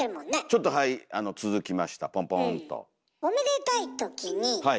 ちょっとはい続きましたポンポーンと。